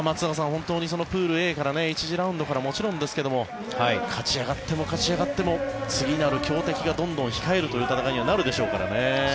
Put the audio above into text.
本当にプールＡから１次ラウンドからもちろんですけれども勝ち上がっても勝ち上がっても次なる強敵がどんどん控えるという戦いにはなるでしょうからね。